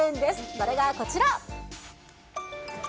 それがこちら。